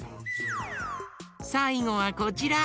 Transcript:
さいごはこちら。